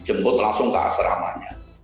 dijemput langsung ke asramanya